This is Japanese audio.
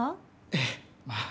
ええまあ。